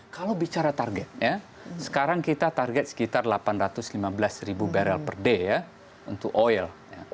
kalau bicara targetnya sekarang kita target sekitar delapan ratus lima belas ribu barrel per day ya untuk oil